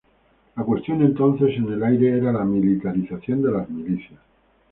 La cuestión entonces en el aire era la militarización de las milicias.